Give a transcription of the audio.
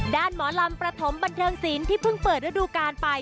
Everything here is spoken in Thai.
ด้านหมอลำประธมบันเทิงศีลที่เพิ่งเปิดระดูการไป